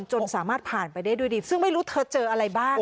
จนสามารถผ่านไปได้ด้วยดีซึ่งไม่รู้เธอเจออะไรบ้าง